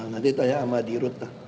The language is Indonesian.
nanti tanya sama dirut